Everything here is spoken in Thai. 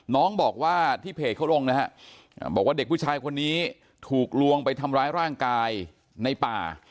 น้องบอกว่าที่เพจเขาลงนะฮะบอกว่าเด็กผู้ชายคนนี้ถูกลวงไปทำร้ายร่างกายในป่า